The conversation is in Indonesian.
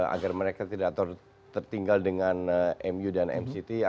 agar mereka tidak tertinggal dengan mu dan mct